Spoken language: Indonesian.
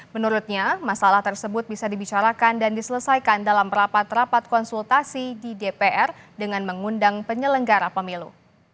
menurutnya masalah tersebut bisa dibicarakan dan diselesaikan dalam rapat rapat konsultasi di dpr dengan mengundang penyelenggara pemilu